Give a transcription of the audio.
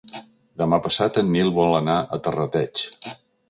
Demà passat en Nil vol anar a Terrateig.